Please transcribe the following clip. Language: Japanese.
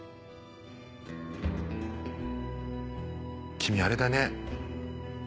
君あれだね。